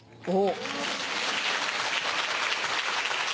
お。